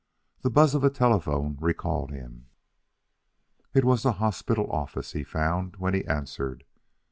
The buzz of a telephone recalled him. It was the hospital office, he found, when he answered.